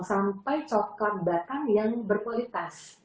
sampai coklat batang yang berkualitas